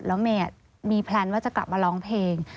แล้วเมย์มีแพลนว่าจะกลับมาร้องเพลง